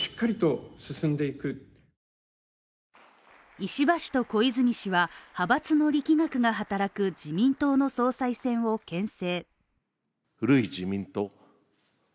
石破氏と小泉氏は、派閥の力学が働く自民党の総裁選をけん制。